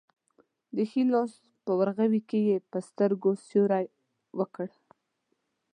د ښي لاس په ورغوي کې یې په سترګو سیوری وکړ.